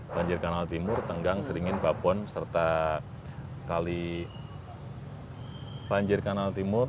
banjir kanal timur tenggang seringin bapon serta kali banjir kanal timur